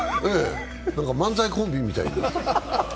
漫才コンビみたい。